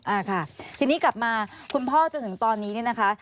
อ่าค่ะทีนี้กลับมาคุณพ่อจนถึงตอนนี้เนี่ยนะคะ